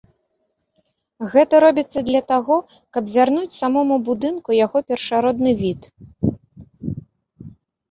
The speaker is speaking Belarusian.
Гэта робіцца для таго, каб вярнуць самому будынку яго першародны від.